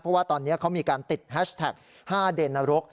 เพราะว่าตอนนี้เขามีการติดแฮชแท็ก๕เดนนรก